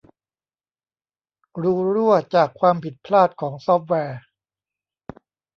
รูรั่วจากความผิดพลาดของซอฟต์แวร์